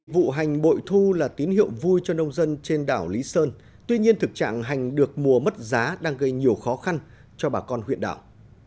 vụ hành bội thu là tín hiệu vui cho nông dân trên đảo lý sơn tuy nhiên thực trạng hành được mùa mất giá đang gây nhiều khó khăn cho bà con huyện đảo